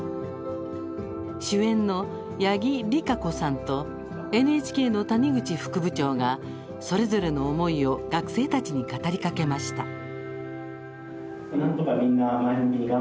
主演の八木莉可子さんとＮＨＫの谷口副部長がそれぞれの思いを学生たちに語りかけました。